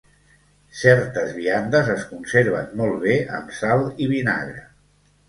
Certes viandes es conserven molt bé amb sal i vinagre.